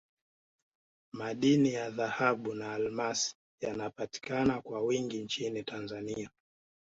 madini ya dhahabu na almasi yanapatikana kwa wingi nchini tanzania